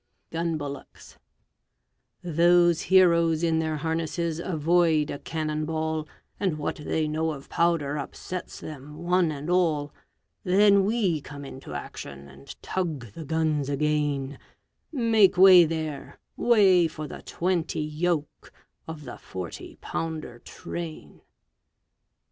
GUN BULLOCKS Those heroes in their harnesses avoid a cannon ball, And what they know of powder upsets them one and all; Then we come into action and tug the guns again Make way there way for the twenty yoke Of the Forty Pounder train!